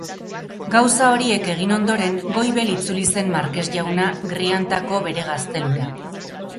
Gauza horiek egin ondoren, goibel itzuli zen markes jauna Griantako bere gaztelura.